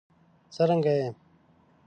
څرنګه یې؟